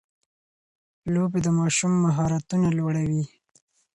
لوبې د ماشوم مهارتونه لوړوي.